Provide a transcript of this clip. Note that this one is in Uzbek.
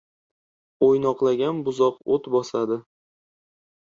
• O‘ynoqlagan buzoq o‘t bosadi.